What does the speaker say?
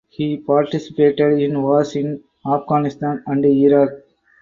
He participated in wars in Afghanistan and Iraq.